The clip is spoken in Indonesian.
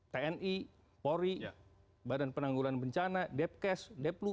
tni polri badan penanggulan bencana depkes deplu